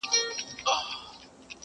• بس پښتونه چي لښکر سوې نو د بل سوې..